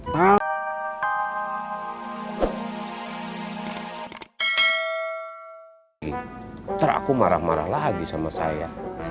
ntar aku marah marah lagi sama saya